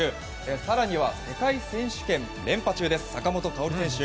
更には、世界選手権連覇中の坂本花織選手。